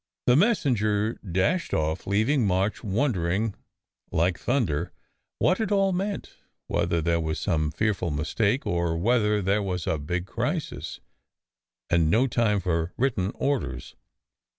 The messenger dashed off, leaving March wondering like thunder what it all meant : whether there was some fearful mistake, or whether there was a big crisis, and no time for written orders.